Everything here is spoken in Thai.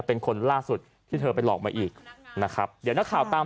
เป็นคนล่าสุดที่เธอไปหลอกมาอีกนะครับเดี๋ยวนักข่าวตาม